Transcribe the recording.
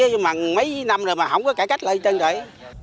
nhưng mà mấy năm rồi mà không có cải cách lợi chân rồi